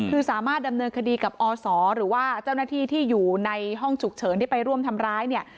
คือสามารถดำเนินคดีกับอศหรือว่าเจ้าหน้าที่ที่อยู่ในห้องฉุกเฉินที่ไปร่วมทำร้ายเนี่ย